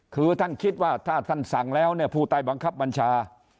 คือท่านคิดว่าถ้าท่านสั่งแล้วเนี่ยผู้ใต้บังคับบัญชา